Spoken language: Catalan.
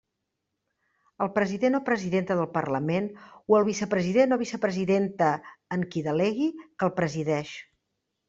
El president o presidenta del Parlament, o el vicepresident o vicepresidenta en qui delegui, que el presideix.